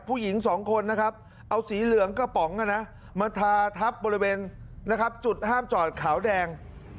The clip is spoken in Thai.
ผู้หญิงสองคนนะครับเอาสีเหลืองกระป๋องมาทาทับบริเวณนะครับจุดห้ามจอดขาวแดง